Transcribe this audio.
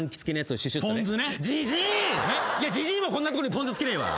じじいもこんなとこにポン酢つけねえわ！